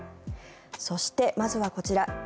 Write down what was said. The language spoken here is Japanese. そして、まずはこちら。